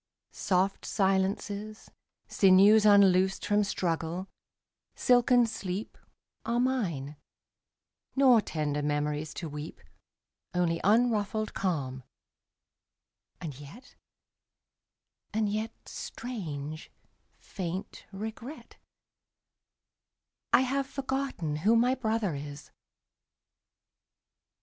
Soft silences, Sinews unloosed from struggle, silken sleep, 27 Are mine; nor tender memories to weep. Only unruffled calm; and yet — and yet — Strange, faint regret — I have forgotten who my brother is!